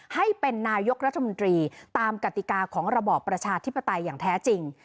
ให้เป็นนายกรัฐมนตรีตามกติกาของระบอบประชาธิปไตยอย่างแท้จริง